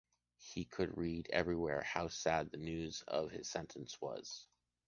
He could read everywhere how sad the news of his sentence was.